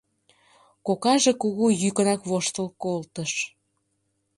Кокаже кугу йӱкынак воштыл колтыш.